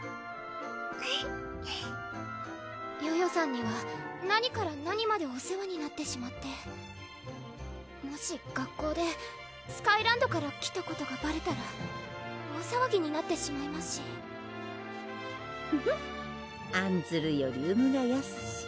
ヨヨさんには何から何までお世話になってしまってもし学校でスカイランドから来たことがバレたら大さわぎになってしまいますしフフッ「あんずるよりうむがやすし」